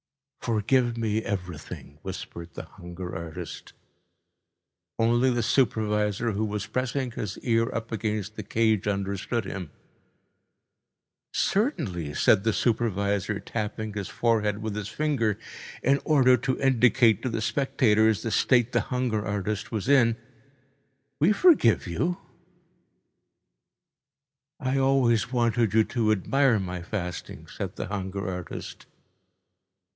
"Forgive me everything," whispered the hunger artist. Only the supervisor, who was pressing his ear up against the cage, understood him. "Certainly," said the supervisor, tapping his forehead with his finger in order to indicate to the spectators the state the hunger artist was in, "we forgive you." "I always wanted you to admire my fasting," said the hunger artist.